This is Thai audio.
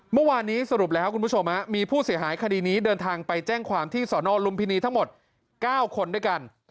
เมื่อวานนี้สรุปแล้วคุณผู้ชมมีผู้เสียหายคดีนี้เดินทางไปแจ้งความที่สอนอลุมพินีทั้งหมด๙คนด้วยกัน